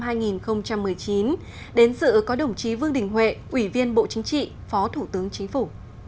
tổng cục thuế đã tổ chức hội nghị tổng kết công tác thuế năm hai nghìn một mươi chín đến sự có đồng chí vương đình huệ ủy viên bộ chính trị phó thủ tướng chính phủ